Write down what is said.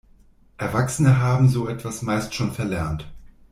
Erwachsene haben so etwas meist schon verlernt.